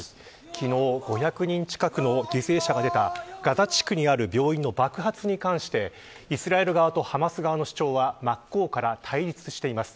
昨日５００人近くの犠牲者が出たガザ地区にある病院の爆発に関してイスラエル側とハマス側の主張は真っ向から対立しています。